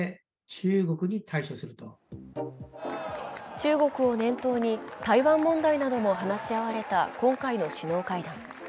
中国を念頭に台湾問題なども話し合われた今回の首脳会談。